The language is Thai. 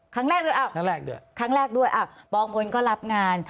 ครั้งแรกด้วยครั้งแรกด้วยครั้งแรกด้วยอ่ะปองพลก็รับงาน